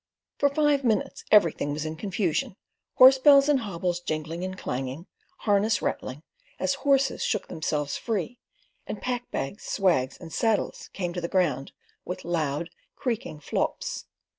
For five minutes everything was in confusion; horse bells and hobbles jingling and clanging, harness rattling, as horses shook themselves free, and pack bags, swags, and saddles came to the ground with loud, creaking flops.